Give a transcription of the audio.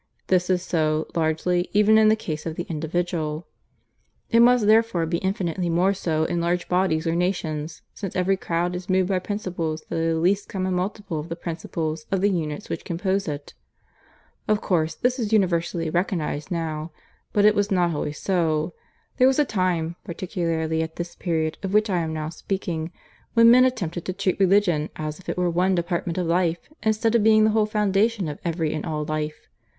This is so, largely, even in the case of the individual; it must therefore be infinitely more so in large bodies or nations; since every crowd is moved by principles that are the least common multiple of the principles of the units which compose it. Of course this is universally recognized now; but it was not always so. There was a time, particularly at this period of which I am now speaking, when men attempted to treat Religion as if it were one department of life, instead of being the whole foundation of every and all life.